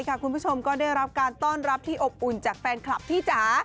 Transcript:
คุณผู้ชมก็ได้รับการต้อนรับที่อบอุ่นจากแฟนคลับพี่จ๋า